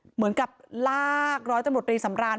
เหมือนกับลากร้อยตำรดฤทธิ์สำราญ